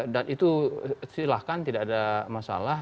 dan itu silahkan tidak ada masalah